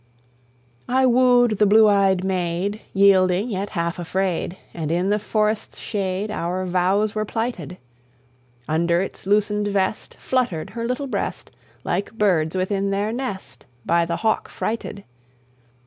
"I wooed the blue eyed maid, Yielding, yet half afraid, And in the forest's shade Our vows were plighted. Under its loosened vest Fluttered her little breast, Like birds within their nest By the hawk frighted.